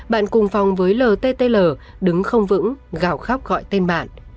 bạn cùng phòng với lttl đứng không vững gào khóc gọi tên bạn